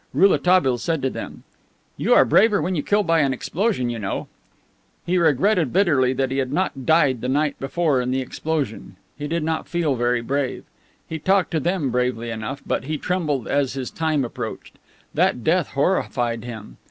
Rouletabille said to them: "You are braver when you kill by an explosion, you know." He regretted bitterly that he had not died the night before in the explosion. He did not feel very brave. He talked to them bravely enough, but he trembled as his time approached. That death horrified him.